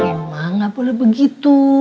ck emang gak boleh begitu